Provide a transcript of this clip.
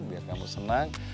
biar kamu senang